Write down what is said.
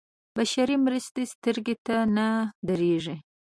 بشري مرستې سترګو ته نه درېږي.